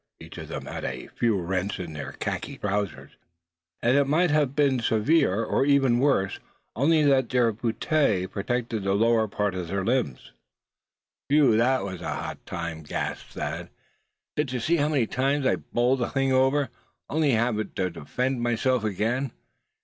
Each of them had a few rents in their khaki trousers; and might have been served even worse only that their puttees protected the lower part of their limbs. "Whew! that was a hot time!" gasped Thad. "Did you see how many times I bowled the thing over, and only to have to defend myself again?